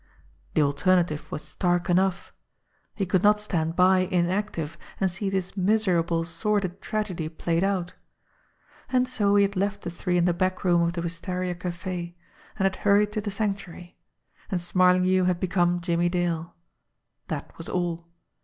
The alternative was stark enough. He could not stand by inactive and see this miserable, sordid tragedy played out. And so he had left the three in the back room of the Wis taria Cafe, and had hurried to the Sanctuary and Smarling hue had become Jimmie Dale. That was all.